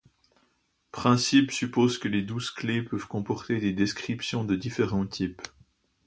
Principe suppose que les douze clés peuvent comporter des descriptions de différents types.